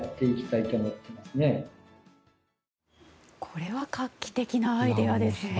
これは画期的なアイデアですね。